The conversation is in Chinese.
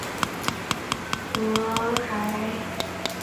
俄亥俄级潜艇是专门为范围扩展后的战略核威慑巡逻而设计的。